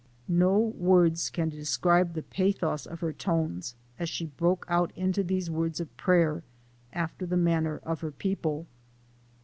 ' No words can describe the pathos of her tones, as she broke out into these words of prayer, after the manner of her people.